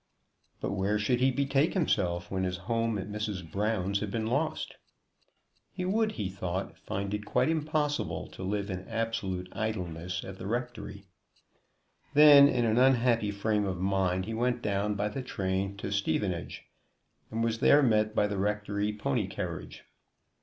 But where should he betake himself when his home at Mrs. Brown's had been lost? He would, he thought, find it quite impossible to live in absolute idleness at the rectory. Then in an unhappy frame of mind he went down by the train to Stevenage, and was there met by the rectory pony carriage.